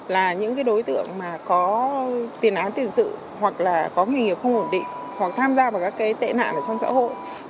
là những đối tượng mà có tiền án tiền sự hoặc là có nghề nghiệp không ổn định hoặc tham gia vào các cái tệ nạn ở trong xã hội